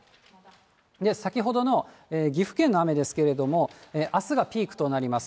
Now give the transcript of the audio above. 先ほどの岐阜県の雨ですけれども、あすがピークとなります。